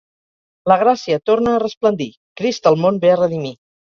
La gràcia torna a resplendir; Crist el món ve a redimir.